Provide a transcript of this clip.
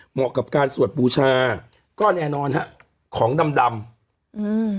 กับการสวดบูชาก็แน่นอนฮะของดำดำอืม